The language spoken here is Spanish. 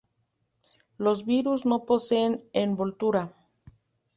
Los virus no poseen envoltura.